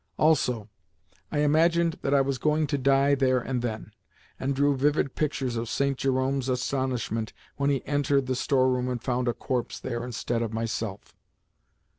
Also, I imagined that I was going to die there and then, and drew vivid pictures of St. Jerome's astonishment when he entered the store room and found a corpse there instead of myself!